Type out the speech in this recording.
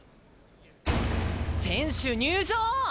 選手入場！